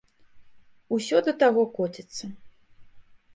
Усё да таго коціцца.